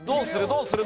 どうする？